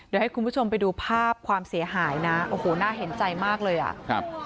เดี๋ยวให้คุณผู้ชมไปดูภาพความเสียหายนะโอ้โหน่าเห็นใจมากเลยอ่ะครับ